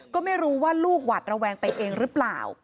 ก็ไม่รู้ว่าลูกหวัดระแวงไปเองหรือเปล่า